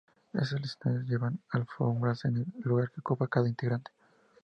En el escenario llevan alfombras en el lugar que ocupa cada integrante.